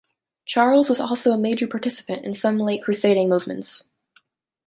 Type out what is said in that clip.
Charles was also a major participant in some late Crusading movements.